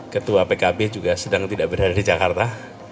ketua pkb juga sedang tidak berada di jakarta